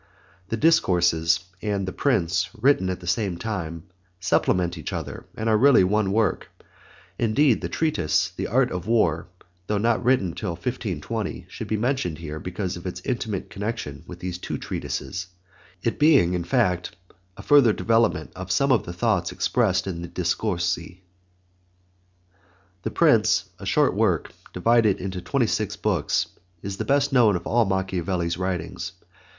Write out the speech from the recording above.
The Discourses and The Prince, written at the same time, supplement each other and are really one work. Indeed, the treatise, The Art of War, though not written till 1520 should be mentioned here because of its intimate connection with these two treatises, it being, in fact, a further development of some of the thoughts expressed in the Discorsi. The Prince, a short work, divided into twenty six books, is the best known of all Machiavelli's writings.